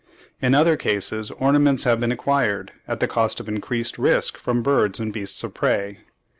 In other cases ornaments have been acquired, at the cost of increased risk from birds and beasts of prey.